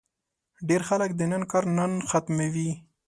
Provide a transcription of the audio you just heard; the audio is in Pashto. ډېری خلک د نن کار نن ختموي.